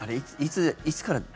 いつから？